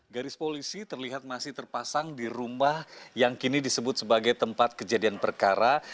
garis polisi terlihat masih terpasang di rumah yang kini disebut sebagai tempat kejadian perkara